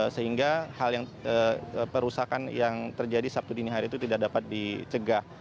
sehingga hal yang perusakan yang terjadi sabtu dini hari itu tidak dapat dicegah